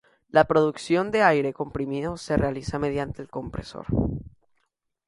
La producción de aire comprimido se realiza mediante el compresor.